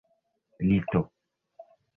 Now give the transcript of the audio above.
lito